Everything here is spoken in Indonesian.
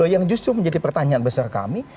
yang justru menjadi pertanyaan besar kami